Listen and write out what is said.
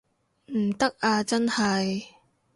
唔得啊真係